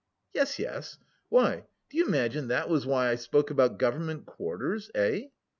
"Yes, yes.... Why, do you imagine that was why I spoke about government quarters... eh?"